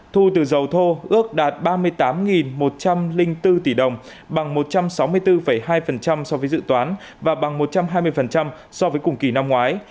thu từ dầu thô ước đạt ba mươi tám một trăm linh bốn tỷ đồng bằng một trăm sáu mươi bốn hai so với dự toán và bằng một trăm hai mươi so với cùng kỳ năm ngoái